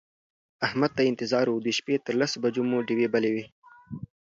احمد ته انتظار و د شپې تر لسو بجو مو ډېوې بلې وې.